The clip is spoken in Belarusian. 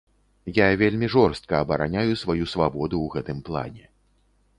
Я вельмі жорстка абараняю сваю свабоду ў гэтым плане.